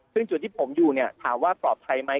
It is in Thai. ซึ่งจุดที่ผมอยู่เนี่ยถามว่าปลอดภัยไหม